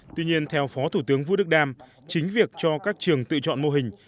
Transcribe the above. tuy nhiên theo phó thủ tướng vũ đức đam chính việc cho các trường tự chọn mô hình